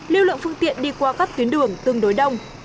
lưu lượng phương tiện đi qua các tuyến đường tương đối đông